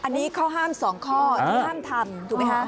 อันนี้ข้อห้าม๒ข้อห้ามทำถูกไหมคะ